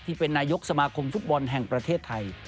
ที่เป็นนายกสมาคมฟุตบอลแห่งประเทศไทย